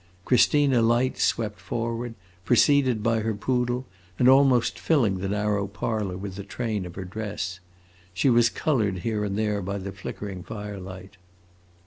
Christina Light swept forward, preceded by her poodle, and almost filling the narrow parlor with the train of her dress. She was colored here and there by the flicking firelight.